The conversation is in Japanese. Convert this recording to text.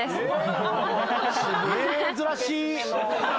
珍しい。